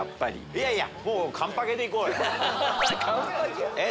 いやいや。